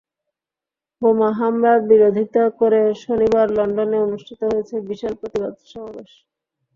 বোমা হামলার বিরোধিতা করে শনিবার লন্ডনে অনুষ্ঠিত হয়েছে বিশাল প্রতিবাদ সমাবেশ।